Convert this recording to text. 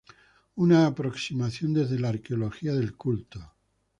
Una aproximación desde la Arqueología del Culto".